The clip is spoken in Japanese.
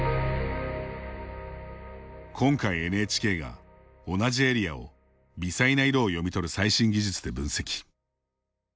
今回、ＮＨＫが同じエリアを微細な色を読み取る最新技術で分析。